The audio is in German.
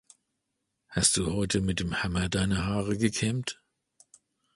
Hast du heute mit dem Hammer deine Haare gekämmt?